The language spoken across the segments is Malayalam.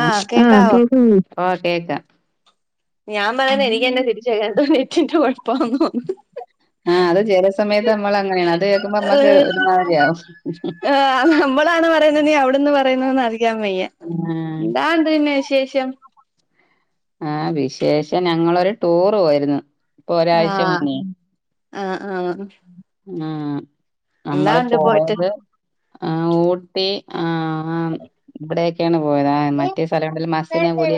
ആഹ് ആ കേക്കാവോ കേകാവോ ഓ കേക്കാം ഞാൻ പറയന്നെ എനക്ക്ന്നെ തിരിച്ചാ കേൾക്കുന്നേ റ്റിന്റെ കുഴപ്പാ തോന്നന്നേ ആ അത് ചില സമയത്ത് നമ്മൾ അങ്ങനെയാണ് അത് കേക്കുമ്പോ നമ്മക്ക് ഏഹ് ഒരുമാതിരിയാവും [unintelligible] ക്ക്യാൻ വയ്യ. ആഹ് എന്താണ്ട് പിന്നെ വിശേഷ് ചെം ആഹ് വിശേഷം ഞങ്ങളൊരു ടൂറ് പോയിരുന്നു. ഇപ്പൊ ഒരാഴ്ച ആഹ് മുന്നേ. ആഹ് ആഹ് ആഹ് നമ്മള് എന്താണ്ട് പോയിട്ട് പോയത്, ആ ഊട്ടി ആ ആ ഇവിടെ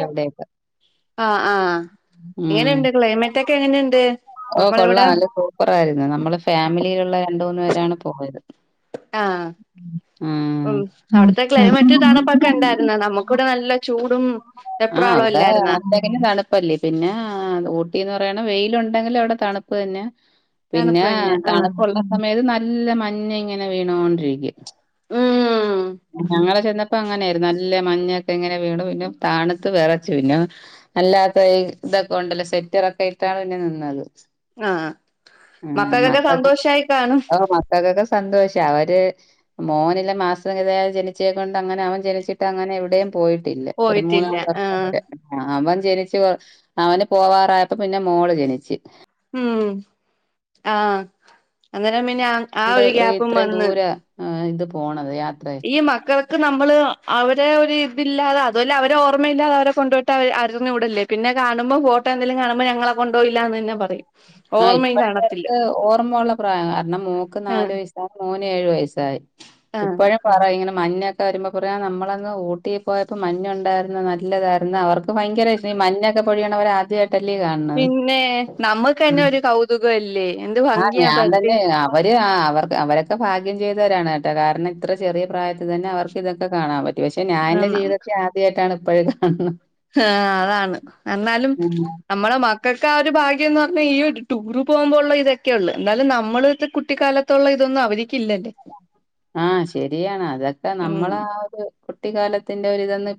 അവിടെയൊക്കെ ആഹ് ആഹ് ഉം എങ്ങനെണ്ട് ക്ലൈമറ്റ് ഒക്കെ എങ്ങനെണ്ട്? ഓ കൊള്ളാം നല്ല സൂപ്പർ ആയിരുന്നു നമ്മള് ഫാമിലിയിലുള്ള രണ്ട് മൂന്നു പേരാണ് പോയത് ആഹ് ഉം അവിടത്തെ ക്ലൈമറ്റ് തണുപ്പൊക്കെ ഇണ്ടായിരുന്നോ നമുക്ക് ഇവിടെ നല്ല ചൂടും ആ വെപ്രാളവും അവിടെ ഇല്ലായിരുന്നോ [unintelligible] തണുപ്പല്ലേ പിന്നെ ഊട്ടീന്ന് പറയണ വെ യിൽ ഉണ്ടെങ്കിലും അവിടെ തണുപ്പ് തന്നെ തണുപ്പ് പിന്നെ തന്നെ ആഹ് തണുപ്പുള്ള സമയത്ത് ന നല്ല മഞ്ഞിങ്ങനെ വീണ് കൊണ്ടിരിക്കും ഉം ഞങ്ങള് ചെന്ന പ്പൊ അങ്ങനെയായിരുന്നു നല്ല മഞ്ഞൊക്കെ ഇങ്ങനെ വീണു പിന്നെ തണുത്ത് വിറച്ചു പിന്നെ അല്ലാത്ത ഇതൊക്കെ ഉണ്ടല്ലോ സെറ്ററൊക്കെ ഇട്ടാണ് പിന്നെ നിന്നത് ആ ഉം മക്കൾക്കൊക്കെ സന്തോഷം ആയി കാണും സന്തോഷം അവര് മോനില്ല മാസം തികയാതെ ജനിച്ച കൊണ്ട് അങ്ങനെ അവൻ ജനിച്ചിട്ട് അങ്ങനെ എവിടെയും പോയിട്ടില്ല ഒരു പോയിട്ടില്ല മൂന്നാല് വർഷം ആഹ് വരെ ആ അവൻ ജനിച്ചു അവന് പോവാറായപ്പോ പിന്നെ മോള് ജനിച്ച് ഉ ആ അന്നേരം പിന്ന ആ ണ്ട് ഒരു ഗ്യാപ്പും ഇത്രയും വന്ന് ദൂരെ ആ ഇത് പോണത് യാ ഈ മക്കൾ ക്ക് നമ്മള് അവരെ ഒരു ഇതില്ലാതെ അതും അല്ല അവരെ ഓർമ്മയില്ലാതെ അവരെ കൊണ്ടോയിട്ട് [unintelligible] പിന്നെ കാണുമ്പോ ഫോട്ടോ എന്തങ്കലും കാണുമ്പോ ഞങ്ങളെ കൊണ്ട് പോയില്ല എന്ന് തന്നെ പറയും ആഹ് ഓർമ്മയും കാണത്തില്ല ഇപ്പോഴർക്ക് ഓർമ്മള്ള പ്രായം കാരണം മോക്ക് ആഹ് നാല് വയസ് മോന് ഏഴ് വയസായി. ആഹ് ഇപ്പോഴും പറ ഇങ്ങന മഞ്ഞൊക്കെ വരുമ്പോ പറയാ നമ്മളന്ന് ഊട്ടി പോയപ്പോ മഞ്ഞുണ്ടായിരുന്നു നല്ലതായിരുന്നു അവർക്ക് ഭയങ്കര ഇഷ്ടം ഈ മഞ്ഞൊക്കെ കൊഴിയണ അവർ ആദ്യ പിന്നെ നമ്മ [unintelligible] ഒരു കൗതുകം കല്ലേ ആ് ഞാൻ തന്നെ അവര് ആ അവർക്ക് അവരൊക്കെ ഭാഗ്യം ചെയ്ത തവരാണ് കേട്ടോ കാരണം ഇത്ര ചെറിയ പ്രായത്തിൽ തന്നെ അവർക്ക് ഇതൊക്കെ കാണാൻ പ പക്ഷെ ഞാ എന്റെ ജീവിതത്തി ആദ്യായിട്ടാണ് പ്പഴാ കാണ്ന്ന് ആഹ അതാണ് എന്നാലും ഉം. നമ്മളെ മക്ക ക്കാ ഒരു ഭാഗ്യംന്ന് പറഞ്ഞാ ഈ ഒരു ടൂർ പോകുമ്പോളു ള്ള ഇതൊക്കെ ഉള്ളൂ എന്നാലും നമ്മൾ കുട്ടിക്കാലത്തുള്ള ഇതൊന്നും അവരിക്കില്ലല്ലേ ആ ശെരിയാണ് അതൊക്കെ ഉം നമ്മളാ ഒരു കുട്ടിക്കാലത്തിന്റെ ഒരിതന്ന്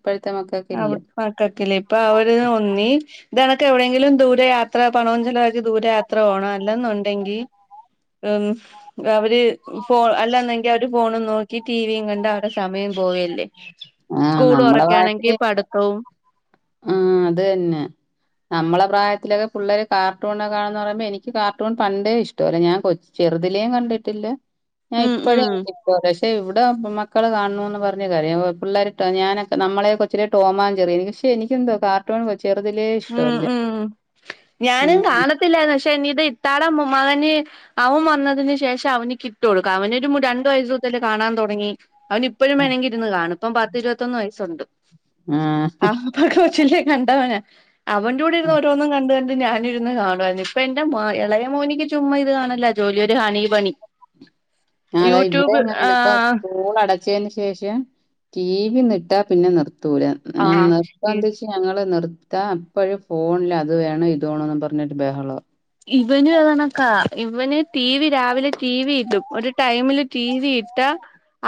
അ മക്കക്കില്ല ഇപ്പൊ അവര് ഒന്നി ഇതണക്ക് എവിടെയെങ്കിലും ദൂരയാത്ര പണവും ചെലവാക്കി ദൂരയാത്ര പോണം അല്ലന്നുണ്ടെങ്കി അവര് അല്ലന്നെങ്കി അവര് ഫോണും നോക്കി ടിവിം കണ്ട് അവരെസമയം പോവല്ലേ ആ സ്കൂള് നമ്മളെ തൊറക്കാണെങ്കി [unintelligible] പഠിത്തവും ആ അത് തന്നെ നമ്മളെ പ്രായത്തിലൊക്കെ പിള്ളേര് കാർട്ടൂൺകാണുന്നു പറയുമ്പോ എനിക്ക് കാർട്ടൂൺ പണ്ടേ ഇഷ്ടല്ല ഞാൻ ചെറുതിലേ കണ്ടിട്ടില്ല ഞാൻ ഉം ഉം ഇപ്പഴും [unintelligible] പക്ഷേ ഇവിടെ മക്കൾ കാണണോ ന്ന് പറഞ്ഞ് കരയും പിള്ളേര്ട്ടോ ഞാനൊക്കെ നമ്മളെ കൊച്ചിലെ ടോമാഞ്ജറി പക്ഷെ എനിക്കെന്തോ കാർട്ടൂൺ വെ ഉം ഉം ഞാനും ഉം. കാണത്തില്ലാരുന്നു പക്ഷെ ഇത്താടെ മകന് അവൻ വന്നതിന് ശേഷം അവന് കിട്ടൊള്ളു അവനൊരു രണ്ടു വയസ്മുതലേ കാണാൻ തുടങ്ങി അവന് ഇപ്പഴും വേണെങ്കി ഇരുന്ന് കാണും ഇപ്പം പത്തി ഇരുപത്തൊന്ന് വയസ്സുണ്ട് ആഹ്. ച്ചിലെ കണ്ടവനാ അവന്റെ കൂടെ ഇരുന്ന് ഓരോന്നും കണ്ട് കണ്ട് ഞാനിരുന്ന് കാണുവായിരുന്നു ഇപ്പൊ എന്റെ മോ എളയ മോനിക്ക് ചുമ്മ ഇത് കാണല ജോലി ഒരു ഹണി ബണി ആ താ യൂട്യൂബ് ഇവിടേം ആ അങ്ങനെണ് പ്പോ സ്കൂൾ അടച്ചേന് ശേഷം ടി വി ന്നിട്ടാ പിന്നെ നിർ തൂല ആ ഏ ഇ- നിപ്പന്തച്ച ഞങ്ങള് നിർ ത്താ അപ്പഴും ഫോണില് അത് വേണം ഇത് വേണോന്ന് പറഞ്ഞിട്ട് ബഹളാ ഇവന് അതണക്കാ ഇവന് ടി വി രാവിലെ ടി വി ഇടും ഒരു ടൈമില് ടി വി ഇട്ടാ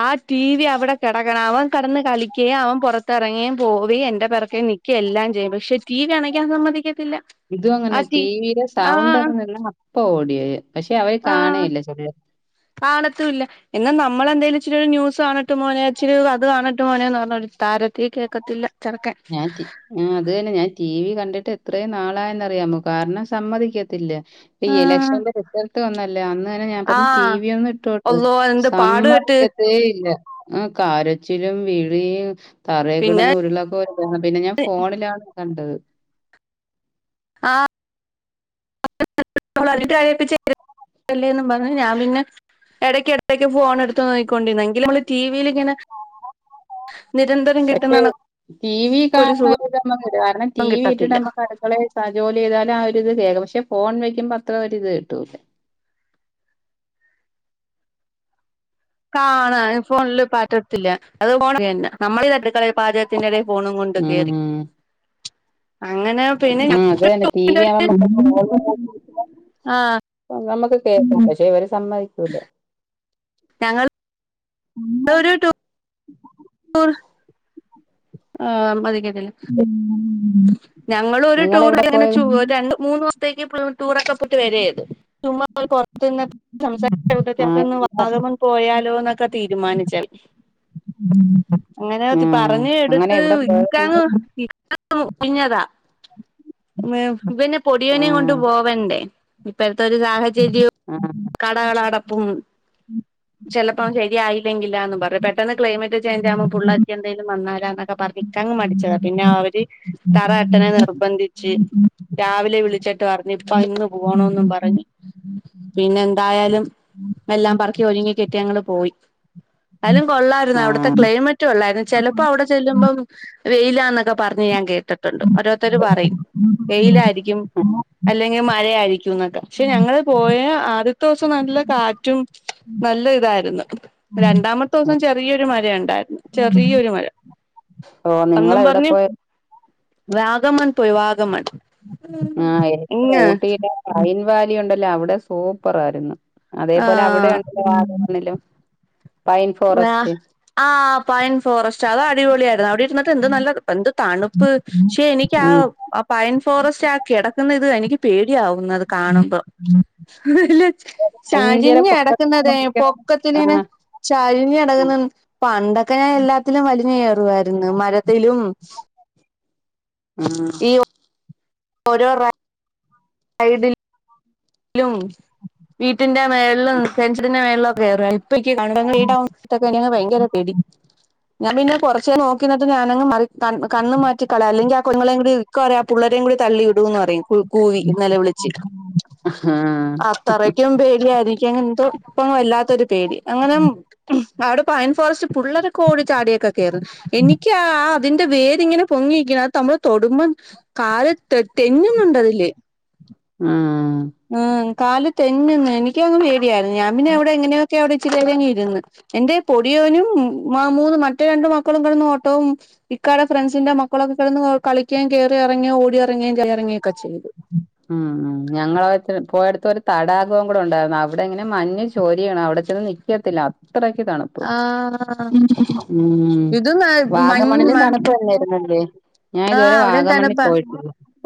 ആ ടി വി അവടെ കെടക്കണ അവൻ കെടന്ന് കളിക്ക ക്കേ അവൻ പൊറത്തിറങ്ങയും പോവെയും എന്റെ പെറക്കെ നിക്കയും എല്ലാം ചെയ്യും പക്ഷെ ടി വി കണയ്ക്കാൻ സമ്മതിക്ക ഇതു അങ്ങനെ ടീവിലെ സൗ ണ്ടൊന്നു നിന്നാ അപ്പോ ഓടിയെ വരും [unintelligible] അവര് ആ കാണേല്ല [unintelligible] കാണത്തുല്ല എന്നാ നമ്മളെന്തേലും ഇച്ചിരിയൊര് ന്യൂസ് കാണട്ടെ മോനെ ഇച്ചിരി അത് കാണട്ടെ മോനേന്ന് പറഞ്ഞാട്ട് തരത്തി കേക്കത്തില്ല ചെറുക്കൻ ഞാൻ ടി ആഹ് അത് തന്നെ ഞാൻ ടീവി കണ്ടിട്ട് എത്രേ നാളായെന്നറിയാമോ കാരണം സമ്മതിക്കത്തില്ല. ഈ ആഹ് ഇലക്ഷന്റെ റിസൾട്ട് വന്നല്ലാ അന്നേരം ഞാൻ പറഞ്ഞു ആഹ് ടീവിയൊന്നിട്ടോട്ടെ അള്ളോ എന്ത് പാടു പെട്ട് സമ്മതിക്കത്തേയില്ല ആഹ് കരച്ചിലും വിളിയും പിന്നെ തറേക്കിടന്ന് ഉരുളൊക്കൊ ഉര് ഓ പിന്നെ ഞാൻ ഫോണിലാ കണ്ടത് ആഹ് [unintelligible] കരിയിപ്പിച്ച് [unintelligible] എല്ലേന്നും പറ്ഞ്ഞ് ഞാൻ പിന്നെ എടക്ക് എടക്ക് ഫോണെടുത്തു നോക്കിക്കോണ്ടിര്ന്ന് എങ്കിലും ഞമ്മള് ടീവില്ങ്ങനെ പക്ഷേ ടീവി ഒരു സുഖം കാൺണൊരിത് നമ്മക്കൂല്ല കാരണം ടീവി ഇട്ടിട്ട് കിട്ടത്തില്ല നമ്മക്ക് അടുക്കളെ ആഹ് ജോലി ചെയ്താലാ ആ ഒര് ഇത് കേക്കാ പക്ഷെ ഫോൺ വെക്കുമ്പോ അത്ര ഒരിത് കിട്ടൂലാ കാണാന് ഫോൺല്ല് പറ്റത്തില്ല അത് [unintelligible] നമ്മള് [unintelligible] പാചകത്തിന്റെടേ ഫോണും കൊണ്ട് കേറി അങ്ങനെ പിന്നെ ഞ ഉം അതെന്നെ ടീവി ആവുമ്പോ നമ്മക്ക് ആഹ് [inaudible] നമ്മക്ക് കേക്കാം പക്ഷെ ഇവര് സമ്മതിക്കൂല. ഞങ്ങൾ ഒരു ടൂ [unintelligible] ആഹ് [unintelligible] ഉം ഞങ്ങളും ഒരു ടൂറങ്ങനെ വച്ചു രണ്ട് മൂന്ന് ദിവസത്തേക്ക് ടൂ ടൂറൊക്കെ പോയിട്ട് വരുക ചെയ്തെ ചുമ്മ പുറത്തുന്ന് സംസാരിച്ച കൂട്ടത്തിൽ ആഹ് നമ്മക്കൊന്ന് വാഗമൺ പോയാലോ എന്നൊക്കെ തീരുമാനിച്ചാൽ അങ്ങനെ ആഹ് പറഞ്ഞ് അങ്ങനെ എടുത്ത് എവിടെ പോയത് ഇക്കാ നിങ്ങള് [unintelligible] ഇവന് പൊടിയനേയും കൊണ്ട് ആഹ് പോവണ്ടേ ഇപ്പഴത്തെ ഒരു സാഹചര്യവും ആഹ് ആഹ് കടകള് അടപ്പും ചിലപ്പം ശരിയായില്ലെങ്കിലാന്ന് പറയും പെട്ടെന്ന് ക്ലൈമറ്റ് ചെഞ്ചാവുമ്പോ പിള്ളാർക്ക് എന്തെങ്കിലും വന്നാലോ എന്നൊക്കെ പറഞ്ഞ് ഇക്കാ അങ്ങ് മടിച്ച് കളയും പിന്നെ അവര് തറ എട്ടനെ നിർബന്ധി ച്ച് രാവിലെ വിളിച്ചിട്ട് പറഞ്ഞ് ഇപ്പ ഇന്ന് പോകണോന്നും പറഞ്ഞ് പിന്നെ എന്തായാലും എല്ലാം പെറുക്കി ഒരുങ്ങി കെട്ടി ഞങ്ങള് പോയി എന്നാലും കൊള്ളായിരുന്നു അവിടുത്തെ ക്ലൈമറ്റ് കൊള്ളായിരുന്നു ചിലപ്പോ അവിടെ ചെല്ലുമ്പം വെയിലാന്നൊക്കെ പറഞ്ഞ് ഞാൻ കേട്ടിട്ടൊണ്ട്. ഓരോരുത്തര് പറയും. വെയിലാരിക്കും അല് ല്ലെങ്കിൽ മഴയായിരിക്കുംന്നൊക്കെ. പക്ഷെ ഞങ്ങള് പോയ ആദ്യത്തെ ദെവസം നല്ല കാറ്റും നല്ല ഇതാരുന്നു. രണ്ടാമത്തെ ദിവസം ചെറിയൊരു മഴ ഒണ്ടാരുന്നു. ചെറിയൊരു മഴ. ഓ അന്നും നിങ്ങളെവിടെ പറഞ്ഞ് പോയാ വാഗമൺ പോയി. വാ ഗമൺ ആഹ് എനിക്ക് ഊട്ടില് പൈൻവാലി ഉണ്ടല്ലോ? അവിടെ സൂപ്പറായിരുന്നു. അതേപോലെ അവിടേം ആഹ് ഉണ്ടല്ലോ വാഗമൺ [unintelligible] ആ പൈൻ ഫോറസ്റ്റ് അത അടിപൊളിയായിരുന്നു. അവിടെ ഇരുന്നിട്ട് എന്ത് നല്ല എന്ത് തണുപ്പ് പക്ഷെ എനിക്ക് ആ ഉം പൈൻ ഫോറസ്റ്റ് ആക്കി എട ന്നിത് എനിക്ക് പേടിയാവും. ക്കുന്നത് കാണുമ്പോ. ഭയങ്കര ചരിഞ്ഞു പൊക്കത്തിലാണ് കിടക്കുന്നതേ നിക്കണത് പൊക്കത്തിലിങ്ങനെ ആഹ് ചരിഞ്ഞു കെടക്കുന്നു. പണ്ടൊക്കെ ഞാൻ എല്ലാത്തിലും വലിഞ്ഞുകയറുമാരുന്നു. മരത്തിലും ആഹ് ഈ ഓരോ റൈ സൈഡിൽ ലും വീട്ടിന്റെ മേൾളും സെൻസിഡിന്റെ മേൾലോട്ട് കേറാ ഇപ്പക്കി [unintelligible] ഭയങ്കര പേടി ഞാൻ പിന്നെ കുർച്ചേ നോക്കിന്ന്ട്ട് ഞാനങ് മറി കൺ കണ്ണ് മാറ്റിക്കള അല്ലെങ്കി ആ [unintelligible] കൂടി ഇക്ക പറിം ആ പുള്ളാരേം കൂടി തള്ളിടുന്ന് പറയും. കൂവി നിലവിളിച്ച് ആഹ് അത്രക്കും പേടിയായിരിക്കും അങ്ങന്തോ ഇപ്പങ്ങ് വല്ലാത്തൊരു പേടി അങ്ങനേം ആട് പൈൻ ഫോറസ്റ്റ് പുള്ളര് കോടി ചാടിയൊക്കെ കേറും എനിക്ക് ആ തിന്റെ വേര് ങ്ങനെ പൊങ്ങിയിക്കും നമ്മള് തൊടുമ്പം കാല് തെ തേങ്ങുന്നുണ്ടതില് ആഹ് ആഹ് കാലല് തന്നെന്ന് എനിക്കങ്ങങ് പേടിയായിരുന്നു ഞാൻ പിന്നെ അവിടെ എങ്ങനെയൊക്കെ അവിടെ ഇച്ചിരി നേരം ഇരുന്ന് എ്റെ പൊടിയോനും മൂന്ന് മറ്റേ രണ്ട് മക്കളും കിടന്ന് ഓട്ടവും ഇക്കാടെ ഫ്രണ്ട്സിന്റെറെ മക്കളൊക്കെ കിടന്ന് കളിക്കുകയും കേറി ഇറങ്ങിയ ഓടിയിറങ്ങുകയും കേറി ഇറങ്ങുകയും ഒക്കെ ചെയ്തു ഉം ഞങ്ങള പോയടുത്ത് ഒരു തടാകവും കൂടെ ഉണ്ടായിരുന്നു അവിടെ ഇങ്ങനെ മഞ്ഞ് ചോരി ചെയ്യണം അവിടക്കന്ന് നിക്കത്തില്ല അത്രക്ക തണുപ്പ് ആ ഉ ഇതും വാഗമണിലന് തണുപ്പ് എന്നായിുന്നല്ലേ ആഹ് അവിടെ തണപ്പാ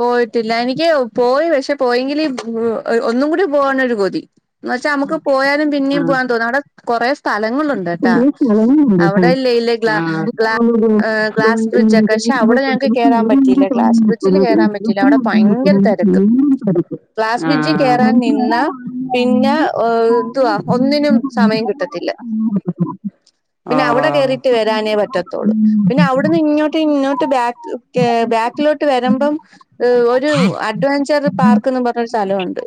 പോയിട്ടില്ല എനക്കോ പോയി പക്ഷെ പോയെങ്കിൽ ഒന്നും കൂടി പോവാന ഒരു കൊതി എന്നുവെച്ചാ നമുക്ക് പോയാലും പിന്നേും ആഹ് പോവാൻ തോന്നും അവിടെ കുറേ സ്ഥലങ്ങളുണ്ട് ട്ടാ കൊറേ സ്ഥലങ്ങളുണ്ട് അവിടെ ഇല്ല ട്ടോ ഇല്ല ആഹ് ഗ്ലാസ് ബ്രിഡ്ജ്ൊക്കെ പക്ഷെ അവിടെ ഞങ്ങക്ക് കയറാൻ പറ്റിയില്ല ക്ലാസ് ബ്രിഡ്ജിൽ കേയറാൻ പറ്റില്ല അവിടെ ഭയങ്കര തിരക്ക് ക്ലാസ് ബ്രിഡ്ജിൽ കയറാൻ നിന്ന പിന്നെ എന്തുവാ ഒന്നിനും സമയം കിട്ടത്തില്ല പിന്നെ അവിടെ കേയറിയിട്ട് വരാനേ പറ്റത്തൊുള്ളൂ ഓ പിന്നെ അവിടുന്ന് ഇങ്ങോട്ട് ഇങ്ങോട്ട് ബാക്ക് ബാക്കിലോട്ട് വരുമ്പം ഒരു അഡ്വഞ്ചർ പാർക്ക്ന്ന് പറഞ്ഞരു സ്ഥലംുണ്ട്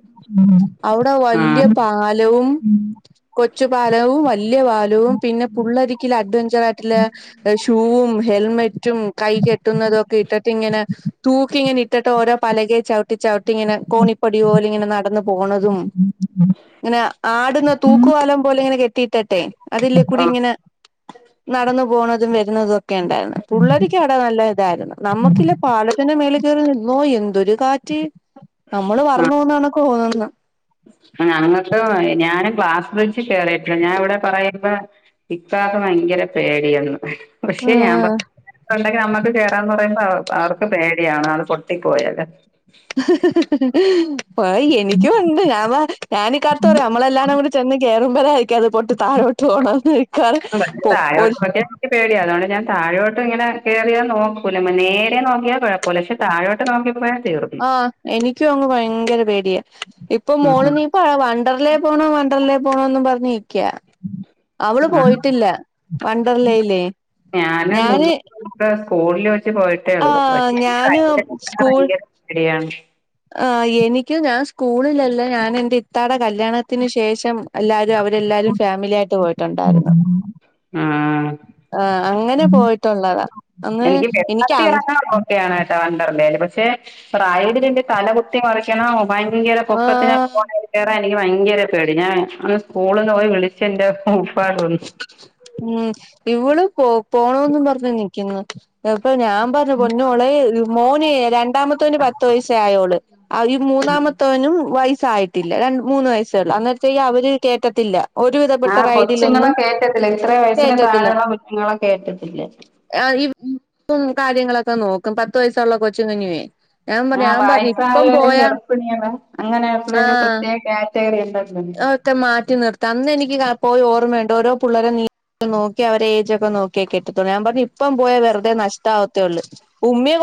അവിടെ വല്യ ആഹ് പാലവും കൊച്ചു പാലവും വല്യയ പാലവും പിന്നെ ഫുൾ അഡ്വ കുജനാട്ടിലെ ഷൂവും ഹെൽമെറ്റ് റ്റും കൈ കെട്ടുന്നതൊ ഇട്ടിട്ടിങ്ങനെ തൂക്കിങ്ങെ ഇട്ടിട്ടൊരെ പലകയിൽ ചവി.... ട്ട ചവിട്ടി ഇങ്ങനെ കോണിപ്പടി പോല ഇങ്ങന നടന്ന പോണതും ഇങ്ങനെ ആടുന്ന തൂക്കുവാലം പോലെ ഇങ്ങനെെ കെ... ത്തട്ടെ അതില്ലേ കൂടി ഓ ഇങ്ങനെ നടന്നു പോണതും വരു.... നിന്നതും ഒക്കെ ഉണ്ടായിരുന്നു പുള്ളേർക്ക് അവിടെ നല്ല ഇതായിരുന്നു നമ്മുക്കില്ല പാലത്തിന്റെ മേല കയറി നിന്ന തോ എന്തൊരു കാറ്റ് നമ്മള് ആ വർന്ന പോന്നാണ് തന്നുന്നത് [unintelligible] ഞങ്ങൾക്ക് ഞാനും ക്ലാസ് ച്ച് കേറിട്ടോ ഞാൻ ഇവിടെ പറയുമ്പോ ഇപ്പാത്െ ഭയങ്കര പേടിയന്ന് പക്ഷെ ഞാൻണ്ടെങ്കി നമ്മുക്ക് കേ ആ പറ ആ അവർക്ക് പ [unintelligible] [unintelligible] പൊട്ടി പോയത് [unintelligible] യ നിക്കും ഉണ്ട് ഞാൻ ഞാനീക്കാർത്ത് പറയും നമ്മളെല്ലാന്നും കൂടി ചെന്ന് കേറുമ്പഴേ ക്കത് പൊട്ടി താഴോട്ട് പോണംന്ന് ഇക്കാറ് താഴോട്ട് ഒരു നോക്കിയാ എനിക്ക് പേടിയാ അതുകൊണ്ട് ഞാൻ താഴോട്ട് ഇങ്ങനെ കേറിയാ നോക്കൂല നേരെ നോക്കിയാൽ കുഴപ്പമില്ല പക്ഷെ താഴോട്ട് നോക്കിയപ്പോ ത ആ എനിക്കും അങ്ങ് ഭയങ്കര പേടിയാ ഇപ്പൊ മോള് ഉം നീപ്പ വണ്ടറിലേ പോണോ വണ്ടറിലെ പോണോന്നുംപറഞ്ഞിരി ക്ക്യാ അവള് ആ പോയിട്ടില്ല വണ്ടർലേല്ലേ ഞാന് സ്കൂളിൽ വെ ച്ച് പോയിട്ടേള്ളൂ ആഹ് പക്ഷെ എനിക്ക് ഞാന് [inaudible] ഭയങ്കര പേടിയാണ് ആ എനിക്ക് ഞാൻ സ്കൂളിലല്ല ഞാൻ എന്റെ ഇത്താട കല്യാണത്തിനന് ശേഷം എല്ലാരും അവര് എല്ലാരും ഫാമിലി ആയിട്ട് പോയി ആ ആഹ് അങ്ങനെ പോയിട്ടുള്ളതാ അന്ന് എനിക്ക് വെള്ളത്തി അ ഇറങ്ങ്ണം ഓക്കെ ആണ് ഏട്ടോ വണ്ടർലേല് പക്ഷെ പ്രായവലിന്റെ തല കുത്തി മറിക്കണം ഭയങ്കര പൊക്കത്തിനൊക്കെ ആഹ് പോണേല് കേറാൻ എനിക്ക് ഭയങ്കര പേടി ഞാൻ അന്ന് സ്കൂളിൽന്ന് പോയി വിളിച്ചന്റെ പ്പാടൂരി ഉം ഇവള് പോ പോണോംന്ന് പറഞ്ഞ് നിയ്ക്ക്ന്നു അപ്പൊ ഞാൻ പറഞ്ഞ പൊന്നുമോളെ ഇ മോന് രണ്ട് രണ്ടാമത്തോന് പത്ത് വയസ്സേ ആയൊള്ള് ഈ മൂന്നാമത്തോനും വ യസ് ആയിട്ടില്ല രണ്ട് മൂന്ന് വയസേ ഒള്ളൂ അന്നെരത്തേക്ക് അവര് കേറ്റത്തില്ല ഒരുവിധപ്പെട്ട ആഹ് കൊച്ചുങ്ങളെ റൈഡിലൊന്നും കേറ്റത്തില്ല എത്ര വയസിന് കേറ്റത്തില്ല താഴെയ്ള്ള കുഞ്ഞ്ങ്ങളെ കേറ്റത്തില്ല ആഹ് ഈ ഉം കാര്യങ്ങളൊക്കെ നോക്കും പത്ത് വയസുള്ള കൊച്ചുങ്ങനുവേ ആഹ് വയസ്സായവരെ ഗെർഭിണികളെ അങ്ങനെ [unintelligible] ആഹ് പ്രത്യേക കേ ത്യേകതയാ ഒക്കെ മാറ്റി നിർത്ത അന്ന് എനിക്ക് പോയി ഓർമ്മയ് ണ്ടോരോ പുള്ളേരെ നീ നോക്കി അവരെ ഏജ ഒക്കെ നോക്കിയേ കേറ്റത്തൊള്ളൂ ഞാൻ പറഞ്ഞ ഇപ്പം പോയ വെറുതെ നഷ്ട ആവത്തേള്ളൂ ഉമ്മിം